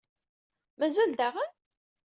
Mazal daɣen?